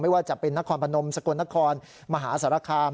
ว่าจะเป็นนครพนมสกลนครมหาสารคาม